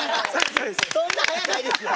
そんな早ないですよ。